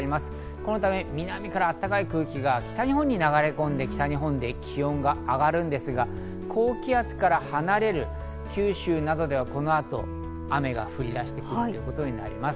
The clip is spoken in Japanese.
そのため南から温かい空気が北日本に流れ込んで、北日本で気温が上がるんですが、高気圧から離れる九州などではこの後、雨が降り出してくるということになります。